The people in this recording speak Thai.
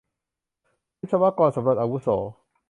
วิศวกรสำรวจอาวุโส